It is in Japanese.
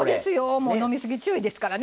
飲みすぎ注意ですからね！